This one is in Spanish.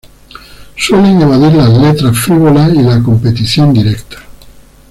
Suelen evadir las letras frívolas y la competición directa.